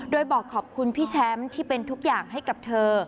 โดยบอกขอบคุณพี่แชมป์ที่เป็นทุกอย่างให้กับเธอ